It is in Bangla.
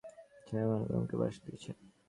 ছায়ামানব আমাকে বাঁশ দিয়েছে!